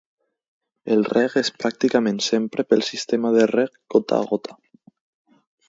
El reg és pràcticament sempre pel sistema de reg gota a gota.